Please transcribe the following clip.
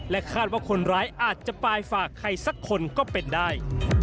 คาดว่าคนร้ายอาจจะปลายฝากใครสักคนก็เป็นได้